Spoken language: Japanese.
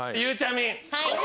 はい。